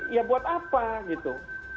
ya buat apa gitu